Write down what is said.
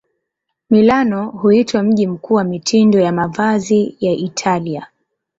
Milano huitwa mji mkuu wa mitindo ya mavazi ya Italia.